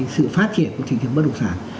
sự phát triển của thị trường bất đồng sản